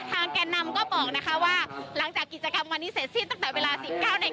แก่นำก็บอกนะคะว่าหลังจากกิจกรรมวันนี้เสร็จสิ้นตั้งแต่เวลา๑๙นาที